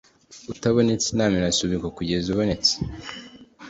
Utabonetse inama irasubikwa kugeza ubonetse